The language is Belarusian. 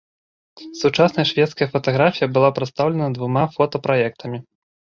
Сучасная шведская фатаграфія была прадстаўлена двума фота-праектамі.